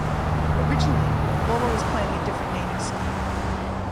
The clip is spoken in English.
Originally, Volvo was planning a different naming scheme.